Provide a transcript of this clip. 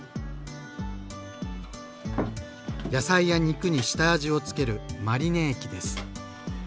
野菜や肉に下味を付けるマリネ液です。